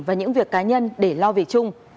và những việc cá nhân để lo việc chung